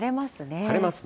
晴れますね。